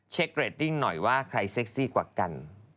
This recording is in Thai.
เรตติ้งหน่อยว่าใครเซ็กซี่กว่ากัน